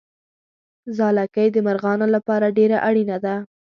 ځالګۍ د مرغانو لپاره ډېره اړینه ده.